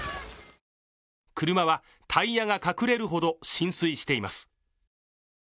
車はタイヤが隠れるほど浸水しています。